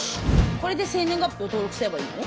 これで生年月日を登録すればいいの？